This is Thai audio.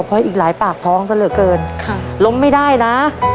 เพราะอีกหลายปากท้องซะเหลือเกินล้มไม่ได้นะ